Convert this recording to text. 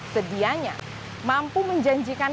sedianya mampu menjanjikan